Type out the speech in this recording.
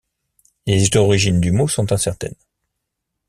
Les origines du mot sont incertaines.